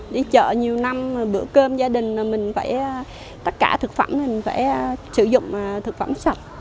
đi chợ nhiều năm bữa cơm gia đình tất cả thực phẩm mình phải sử dụng thực phẩm sạch